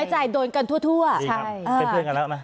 ใช่ครับเป็นเพื่อนกันแล้วนะ